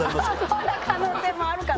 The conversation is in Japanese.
そんな可能性もあるかな？